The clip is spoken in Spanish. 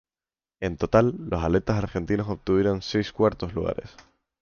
En total los atletas argentinos obtuvieron seis cuartos lugares.